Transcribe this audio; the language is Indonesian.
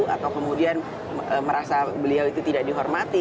atau kemudian merasa beliau itu tidak dihormati